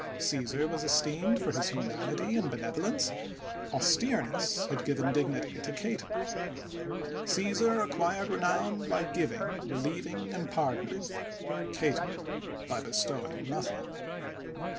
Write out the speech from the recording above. Caasar was es teemed for his humanity and benevolence; austereness had given dignity to Cato. Caesar acquired renown by giving, relieving and pardoning; Cato by bestowing nothing.